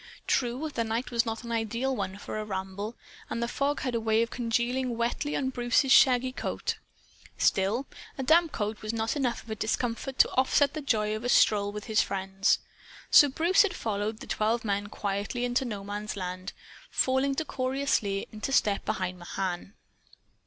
True, the night was not an ideal one for a ramble, and the fog had a way of congealing wetly on Bruce's shaggy coat. Still, a damp coat was not enough of a discomfort to offset the joy of a stroll with his friends. So Bruce had followed the twelve men quietly into No Man's Land, falling decorously into step behind Mahan.